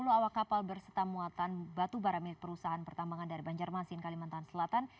sepuluh awak kapal berserta muatan batu bara milik perusahaan pertambangan dari banjarmasin kalimantan selatan